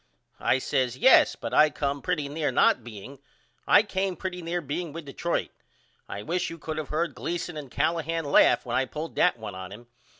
I says Yes but I come pretty near not being. I came pretty near being with Detroit. I wish you could of heard Gleason and Callahan laugh when I pulled that one on him.